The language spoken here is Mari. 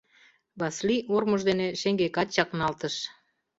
Васлий ормыж дене шеҥгекат чакналтыш.